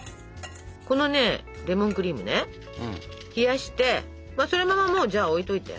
このレモンクリームね冷やしてそのままもうじゃあ置いといて。